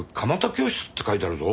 教室って書いてあるぞ。